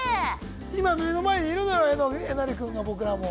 今目の前にいるのよえなり君が僕らも。